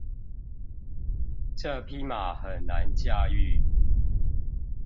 這匹馬很難駕馭